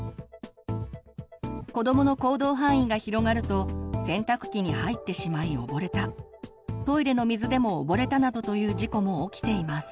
子どもの行動範囲が広がると洗濯機に入ってしまい溺れたトイレの水でも溺れたなどという事故も起きています。